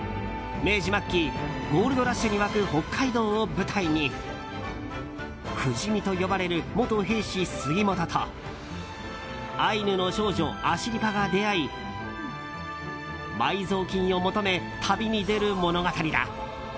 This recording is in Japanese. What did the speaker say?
明治末期ゴールドラッシュに沸く北海道を舞台に不死身と呼ばれる元兵士・杉元とアイヌの少女アシリパが出会い埋蔵金を求め、旅に出る物語だ。